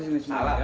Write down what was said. saya ingat dulu